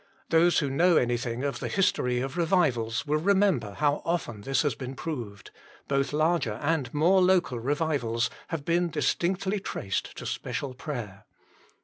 Those who know anything of the history of revivals will remember how often this has been proved both larger and more local revivals have been distinctly traced to special prayer.